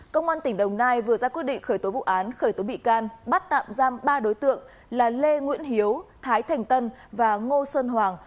công an tỉnh đồng nai vừa ra quyết định khởi tố vụ án khởi tố bị can bắt tạm giam ba đối tượng là lê nguyễn hiếu thái thành tân và ngô sơn hoàng